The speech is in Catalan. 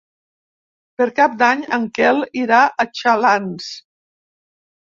Per Cap d'Any en Quel irà a Xalans.